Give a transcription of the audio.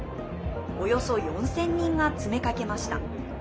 およそ４０００人が詰めかけました。